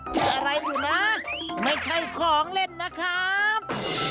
เจ็บอะไรดูนะไม่ใช่ของเล่นนะครับ